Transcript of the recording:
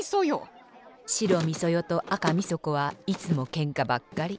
白みそ代と赤みそ子はいつもけんかばっかり。